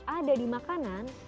ada di makanan